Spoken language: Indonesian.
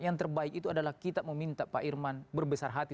yang terbaik itu adalah kita meminta pak irman berbesar hati